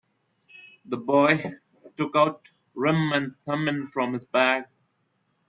The boy took out Urim and Thummim from his bag.